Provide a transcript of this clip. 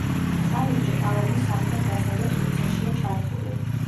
კარიბჭე გალავნის სამხრეთ-დასავლეთ კუთხეშია ჩართული.